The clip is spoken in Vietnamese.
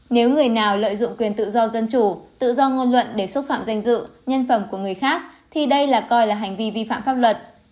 nếu người nào lợi dụng quyền tự do dân chủ tự do ngôn luận để xúc phạm danh dự nhân phẩm của người khác thì đây là coi là hành vi vi phạm pháp luật